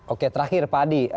oke terakhir pak adi